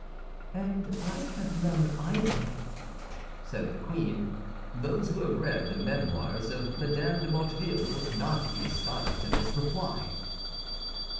"And I have none, either," said the queen. Those who have read the Memoirs of Mme. de Motteville will not be astonished at this reply.